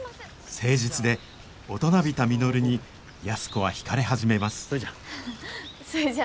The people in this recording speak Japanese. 誠実で大人びた稔に安子は引かれ始めますそれじゃ。